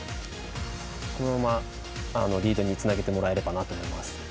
このまま、リードにつなげてもらえればなと思います。